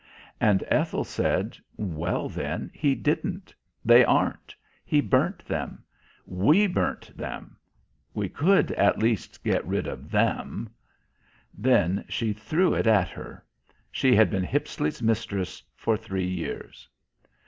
And Ethel said, "Well then, he didn't. They aren't. He burnt them. We burnt them.... We could, at least, get rid of them!" Then she threw it at her. She had been Hippisley's mistress for three years.